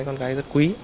con gái rất quý